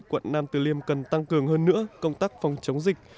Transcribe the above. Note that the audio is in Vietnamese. quận nam từ liêm cần tăng cường hơn nữa công tác phòng chống dịch